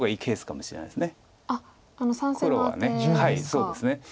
はいそうですね。